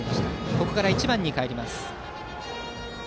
ここから１番にかえります。